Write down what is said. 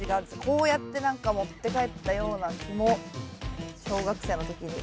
こうやって何か持って帰ったような気も小学生の時に。